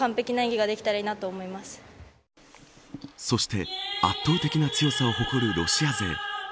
そして、圧倒的な強さを誇るロシア勢。